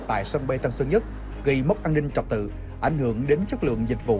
tại sân bay tân sơn nhất gây mất an ninh trật tự ảnh hưởng đến chất lượng dịch vụ